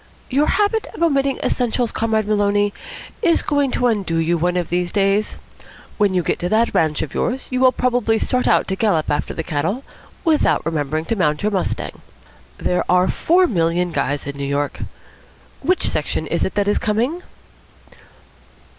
"Your habit of omitting essentials, Comrade Maloney, is going to undo you one of these days. When you get to that ranch of yours, you will probably start out to gallop after the cattle without remembering to mount your mustang. There are four million guys in New York. Which section is it that is coming?"